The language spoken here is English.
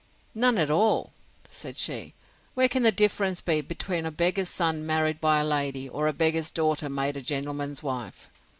None at all, said she. Where can the difference be between a beggar's son married by a lady, or a beggar's daughter made a gentleman's wife?